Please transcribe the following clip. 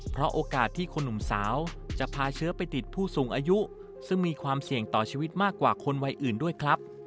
เพราะโอกาสที่คนหนุ่มสาวจะพาเชื้อไปติดผู้สูงอายุซึ่งมีความเสี่ยงต่อชีวิตมากกว่าคนวัยอื่นด้วยครับ